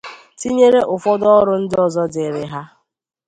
tinyere ụfọdụ ọrụ ndị ọzọ dịịrị ha